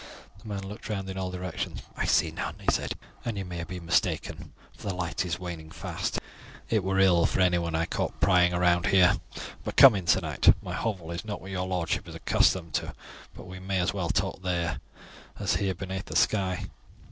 The man looked round in all directions. "I see none," he said, "and you may have been mistaken, for the light is waning fast. It were ill for anyone I caught prying about here. But come in, sir knight; my hovel is not what your lordship is accustomed to, but we may as well talk there as here beneath the sky."